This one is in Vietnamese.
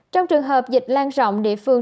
trong trường hợp dịch lan rộng địa phương